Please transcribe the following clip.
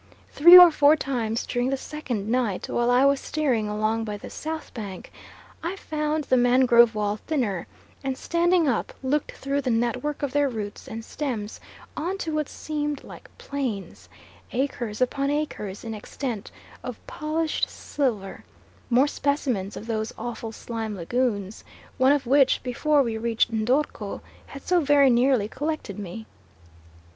Three or four times during the second night, while I was steering along by the south bank, I found the mangrove wall thinner, and standing up, looked through the network of their roots and stems on to what seemed like plains, acres upon acres in extent, of polished silver more specimens of those awful slime lagoons, one of which, before we reached Ndorko, had so very nearly collected me.